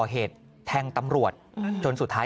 เมื่องต้นเนี่ยสอบปากคำตอนแรกถามว่าเสพยาหรือเปล่า